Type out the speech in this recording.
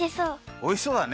おいしそうだね。